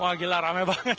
wah gila rame banget